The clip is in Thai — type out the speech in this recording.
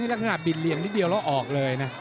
ถ้าขนาดบินเรียงนิดเดียวแล้วออกเลยนะ